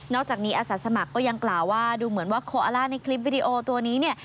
อกจากนี้อาสาสมัครก็ยังกล่าวว่าดูเหมือนว่าโคอาล่าในคลิปวิดีโอตัวนี้เนี่ย